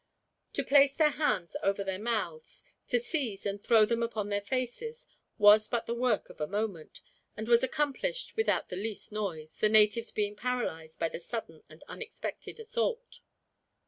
To place their hands over their mouths, to seize and throw them upon their faces, was but the work of a moment; and was accomplished without the least noise, the natives being paralyzed by the sudden and unexpected assault.